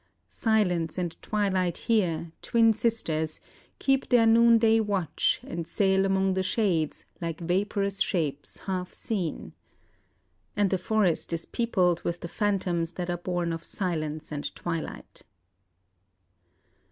Silence and Twilight here, twin sisters, keep Their noonday watch, and sail among the shades Like vaporous shapes half seen; and the forest is peopled with the phantoms that are born of Silence and Twilight.